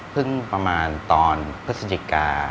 ประมาณตอนพฤศจิกา